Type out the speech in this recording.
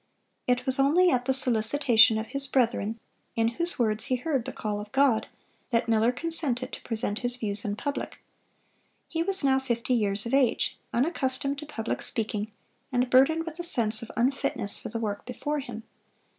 It was only at the solicitation of his brethren, in whose words he heard the call of God, that Miller consented to present his views in public. He was now fifty years of age, unaccustomed to public speaking, and burdened with a sense of unfitness for the work before him.